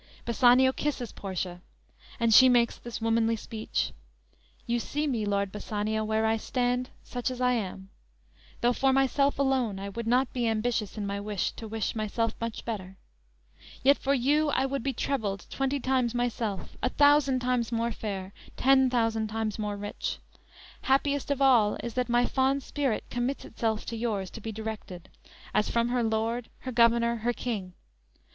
"_ Bassanio kisses Portia, and she makes this womanly speech: _"You see me, Lord Bassanio, where I stand Such as I am; though for myself alone I would not be ambitious in my wish To wish myself much better; yet, for you I would be trebled twenty times myself; A thousand times more fair, ten thousand times more rich. Happiest of all is that my fond spirit Commits itself to yours to be directed, As from her Lord, her Governor, her King!